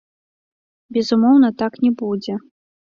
Безумоўна, так не будзе.